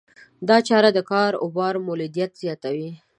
دا چاره د کاروبار مولدیت زیاتوي.